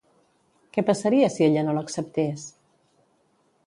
Què passaria si ella no l'acceptés?